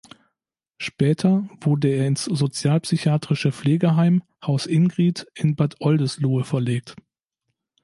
Später wurde er ins Sozialpsychiatrische Pflegeheim "Haus Ingrid" in Bad Oldesloe verlegt.